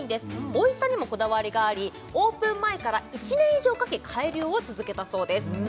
おいしさにもこだわりがありオープン前から１年以上をかけ改良を続けたそうです